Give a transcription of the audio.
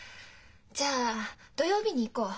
じゃあ土曜日に行こう。